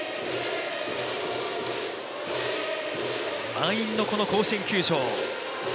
満員のこの甲子園球場。